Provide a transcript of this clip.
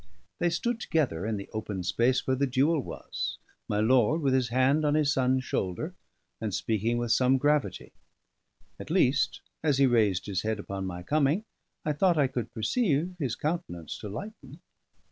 They stood together in the open space where the duel was, my lord with his hand on his son's shoulder, and speaking with some gravity. At least, as he raised his head upon my coming, I thought I could perceive his countenance to lighten.